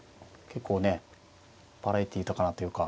結構ねバラエティー豊かなというか。